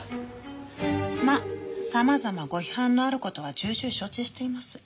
まあ様々ご批判のある事は重々承知しています。